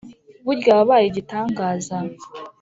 Burya wabaye igitangaza !